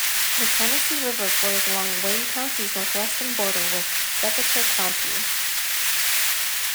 The Tennessee River flows along Wayne County's northwestern border with Decatur County.